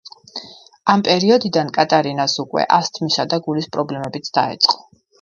ამ პერიოდიდან კატარინას უკვე ასთმისა და გულის პრობლემებიც დაეწყო.